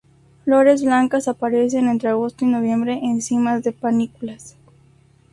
Flores blancas aparecen entre agosto y noviembre, en cimas de panículas.